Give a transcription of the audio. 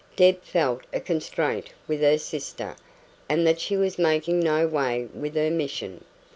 Deb felt a constraint with her sister, and that she was making no way with her mission.